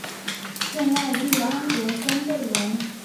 圣艾蒂安德丰贝隆。